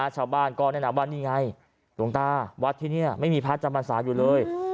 ชาวบ้านก็แนะนำว่านี่ไงหลวงตาวัดที่นี่ไม่มีพระจำพรรษาอยู่เลย